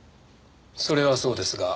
それはそうですが。